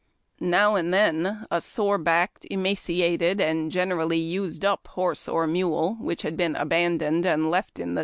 Now and then a sore backed, emaciated, and generally used up horse or mule, which had been abandoned and left in the 236 HARD TACK AND COFFEE.